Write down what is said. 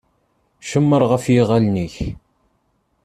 Cemmer ɣef yiɣalen-ik.